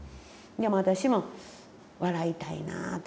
私も笑いたいなあと。